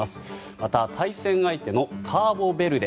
また、対戦相手のカーボベルデ。